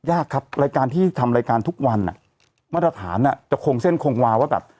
ยากครับรายการที่ทำรายการทุกวันอ่ะมาตรฐานอ่ะจะคงเส้นคงวาว่าแบบ